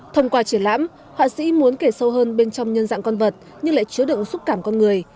thông qua triển lãm họa sĩ muốn kể sâu hơn bên trong nhân dạng con vật nhưng lại chứa đựng xúc cảm con người